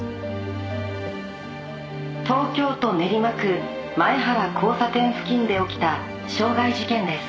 「東京都練馬区前原交差点付近で起きた傷害事件です」